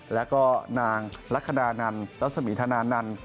แล้วก็นางลักษณะนันรัศมีธนานันต์